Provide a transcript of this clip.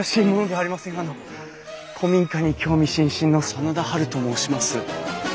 あの古民家に興味津々の真田ハルと申します。